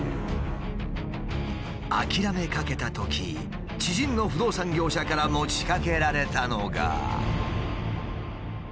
諦めかけたとき知人の不動産業者から持ちかけられたのが。